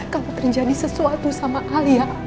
kalau terjadi sesuatu sama alia